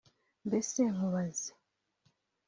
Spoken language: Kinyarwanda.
Mbese nkubaze